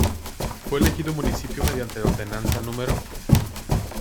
Fue elegido municipio mediante Ordenanza No.